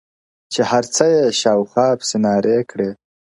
• چي هر څه يې شاوخوا پسي نارې كړې -